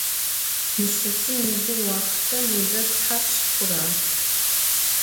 Yilhesım yizı vuaxhte meze thapşş xhura?